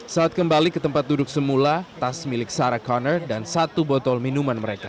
saat kembali ke tempat duduk semula tas milik sarah connor dan satu botol minuman mereka